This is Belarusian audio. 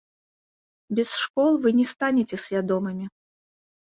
Без школ вы не станеце свядомымі.